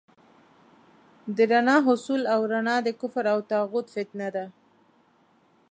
د رڼا حصول او رڼا د کفر او طاغوت فتنه ده.